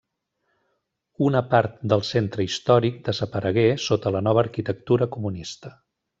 Una part del centre històric desaparegué sota la nova arquitectura comunista.